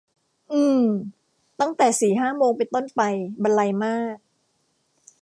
อือ ตั้งแต่สี่ห้าโมงเป็นต้นไป บรรลัยมาก